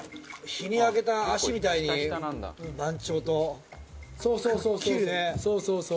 日に焼けた足みたいに満潮と辰蠅諭そうそうそう。